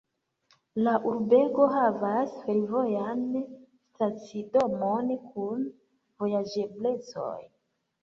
La urbego havas fervojan stacidomon kun vojaĝeblecoj.